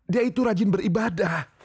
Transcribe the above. dia itu rajin beribadah